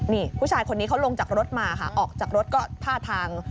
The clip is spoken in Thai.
นี่ผู้ชายคนนี้เขาลงจากรถมาค่ะออกจากรถก็ท่าทาง